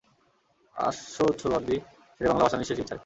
আছো সরোয়ার্দী, শেরেবাংলা, ভাসানীর শেষ ইচ্ছায়।